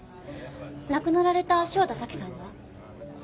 亡くなられた汐田早紀さんは？